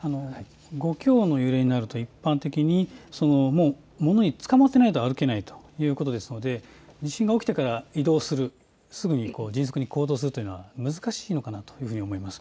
５強の揺れになると一般的に物につかまっていないと歩けないということですので地震が起きてから移動する、すぐに、迅速に行動することは難しいのかなと思います。